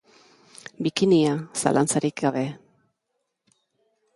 Bikinia, zalantzarik gabe.